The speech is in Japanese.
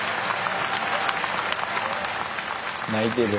泣いてる。